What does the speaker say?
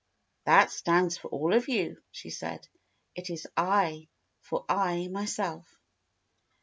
"That stands for all of you," she said. "It is 7, for I, myself."